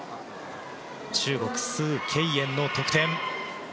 中国、スウ・ケイエンの得点。